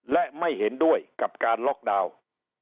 และไม่เห็นด้วยกับการล็อกดาวน์